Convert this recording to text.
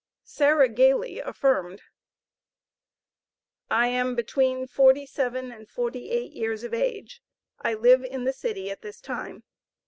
Sarah Gayly affirmed. I am between forty seven and forty eight years of age. I live in the city at this time.